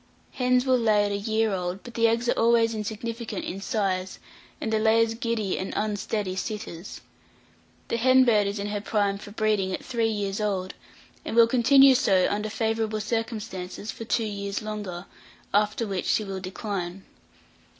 Hens will lay at a year old, but the eggs are always insignificant in size, and the layers giddy and unsteady sitters. The hen bird is in her prime for breeding at three years old, and will continue so, under favourable circumstances, for two years longer; after which she will decline.